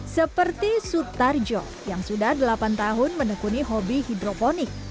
seperti sutarjo yang sudah delapan tahun menekuni hobi hidroponik